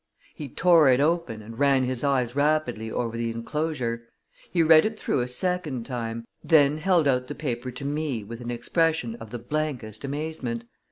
He tore it open, and ran his eyes rapidly over the inclosure. He read it through a second time, then held out the paper to me with an expression of the blankest amazement.